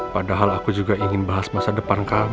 padahal aku juga ingin bahas masa depan kamu